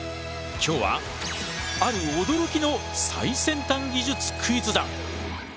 今日はある驚きの最先端技術クイズだ！